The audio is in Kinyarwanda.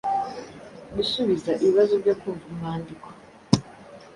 gusubiza ibibazo byo kumva umwandiko,